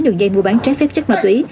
đường dây mua bán trái phép chất ma túy